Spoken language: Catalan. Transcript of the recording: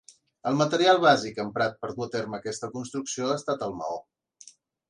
El material bàsic emprat per dur a terme aquesta construcció ha estat el maó.